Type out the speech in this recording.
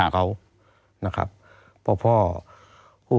ตั้งแต่ปี๒๕๓๙๒๕๔๘